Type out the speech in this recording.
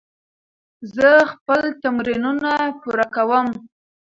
زه خپل تمرینونه پوره کوم.